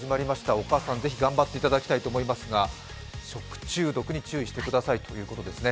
お母さん、ぜひ頑張っていただきたいと思いますが、食中毒に注意してくださいということですね。